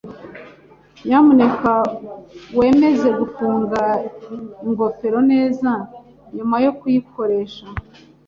Nyamuneka wemeze gufunga ingofero neza nyuma yo kuyikoresha.